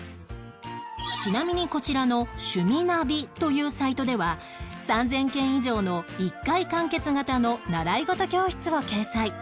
ちなみにこちらの趣味なびというサイトでは３０００件以上の１回完結型の習い事教室を掲載